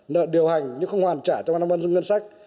nợ điều hành nhưng không hoàn trả trong năm văn dung ngân sách